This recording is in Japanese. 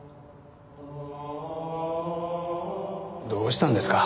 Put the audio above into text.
どうしたんですか？